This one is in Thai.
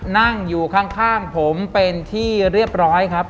นั่งอยู่ข้างผมเป็นที่เรียบร้อยครับ